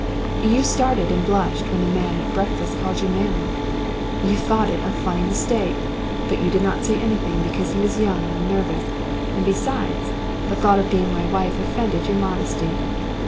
"You started and blushed when the man at breakfast called you Ma'am. You thought it a funny mistake, but you did not say anything because he was young and nervous and besides, the thought of being my wife offended your modesty.